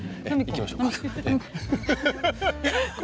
行きましょうか。